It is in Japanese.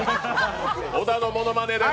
小田のものまねです。